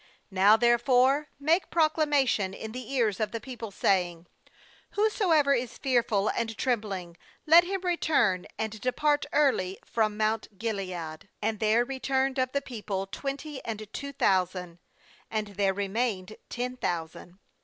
3Now therefore make proclamation in the ears of the people, saying: Whoso ever is fearful and trembling, let him return and depart early from mount Gilead.' And there returned of the people twenty and two thousand; and there remained ten thousand.